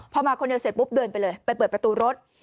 พอมาคนเดียวเสร็จปุ๊บเดินไปเลยไปเปิดประตูรถ